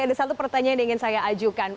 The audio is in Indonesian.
ada satu pertanyaan yang ingin saya ajukan